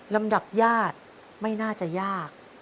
ลำดับญาติไม่น่าจะยาก